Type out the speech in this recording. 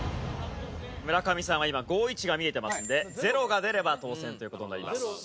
村上さんは今５１が見えてますので０が出れば当せんという事になります。